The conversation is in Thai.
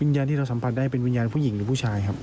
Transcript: วิญญาณที่เราสัมผัสได้เป็นวิญญาณผู้หญิงหรือผู้ชายครับ